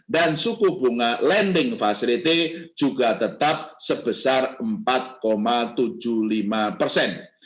dan suku bunga lending fasdt juga tetap sebesar empat tujuh puluh lima persen